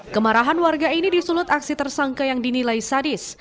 kemarahan warga ini disulut aksi tersangka yang dinilai sadis